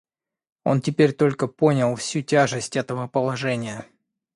Он теперь только понял всю тяжесть этого положения.